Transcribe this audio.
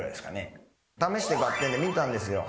『ためしてガッテン』で見たんですよ。